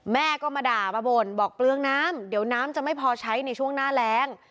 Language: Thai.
แม่ก็มาด่ามาบ่นบอกเปลืองน้ำเดี๋ยวน้ำจะไม่พอใช้ในช่วงหน้าแรง